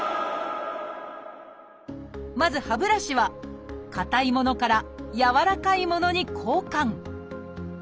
まず歯ブラシはかたいものからやわらかいものに交換。